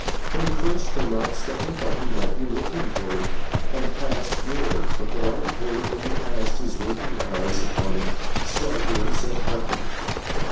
When he first came out, Stephen thought he might be looking for him, and passed near; but the light porter only cast his winking eyes upon him slightly, and said nothing.